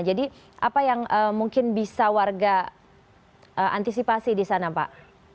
jadi apa yang mungkin bisa warga antisipasi di sana pak